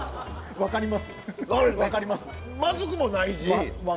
分かりますその。